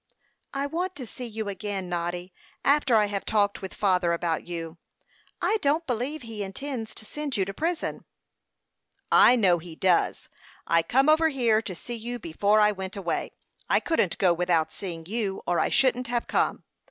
"I want to see you again, Noddy, after I have talked with father about you. I don't believe he intends to send you to prison." "I know he does. I come over here to see you before I went away. I couldn't go without seeing you, or I shouldn't have come.